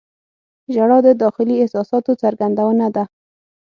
• ژړا د داخلي احساساتو څرګندونه ده.